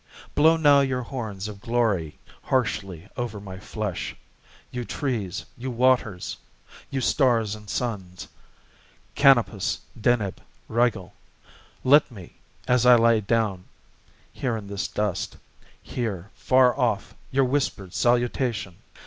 Blow now your horns of glory Harshly over my flesh, you trees, you waters! You stars and suns, Canopus, Deneb, Rigel, Let me, as I lie down, here in this dust, Hear, far off, your whispered salutation!